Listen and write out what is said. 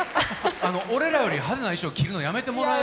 俺らより派手な衣装着るのやめてもらえる？